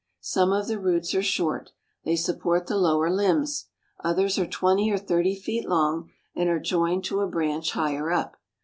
Some of the roots are short. They support the lower limbs. Others are twenty or thirty feet long and are joined to a branch higher up.